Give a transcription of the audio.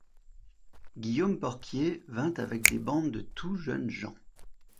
Guillaume Porquier vint avec des bandes de tout jeunes gens.